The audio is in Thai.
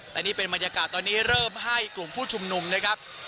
แต่นี่เป็นบรรยากาศตอนนี้เริ่มให้กลุ่มผู้ชุมนุมนะครับ